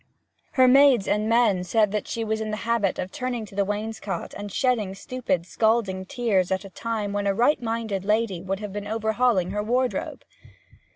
Her maids and men said that she was in the habit of turning to the wainscot and shedding stupid scalding tears at a time when a right minded lady would have been overhauling her wardrobe.